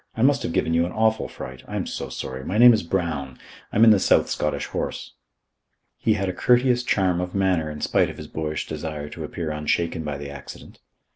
I must have given you an awful fright. I'm so sorry. My name is Brown. I'm in the South Scottish Horse." He had a courteous charm of manner in spite of his boyish desire to appear unshaken by the accident.